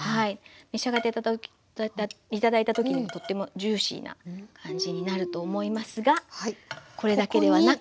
召し上がって頂いた時にとってもジューシーな感じになると思いますがこれだけではなく。